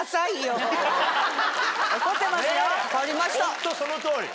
ホントその通り。